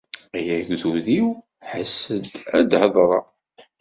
Ay agdud-iw, ḥess-d, ad d-hedṛeɣ!